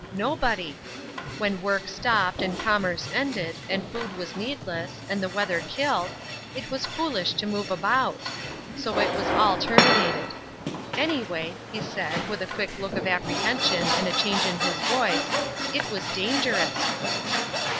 Nobody. When work stopped and commerce ended, and food was needless, and the weather killed, it was foolish to move about. So it was all terminated. Anyway," he said, with a quick look of apprehension and a change in his voice, "it was dangerous!"